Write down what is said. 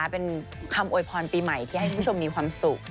เป็นคำโวยพรปีใหม่ที่ให้คุณผู้ชมมีความสุข